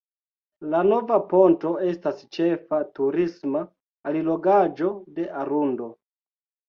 La "Nova Ponto" estas ĉefa turisma allogaĵo de Arundo.